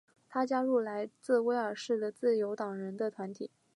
他加入来自威尔士的自由党人的团体。